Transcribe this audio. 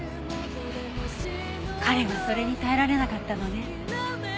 彼はそれに耐えられなかったのね。